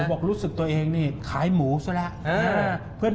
บอกรู้สึกตัวเองนี่ขายหมูซะแล้ว